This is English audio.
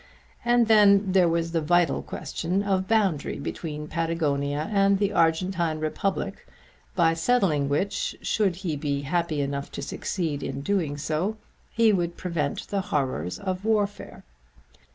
And then there was the vital question of boundary between Patagonia and the Argentine Republic by settling which, should he be happy enough to succeed in doing so, he would prevent the horrors of warfare.